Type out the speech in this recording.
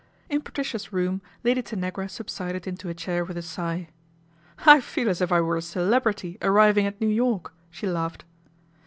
In Patricia's room Lady Tanagra subsided into a chair with a sigh. " I feel as if I were a celebrity arriving at New York," she laughed.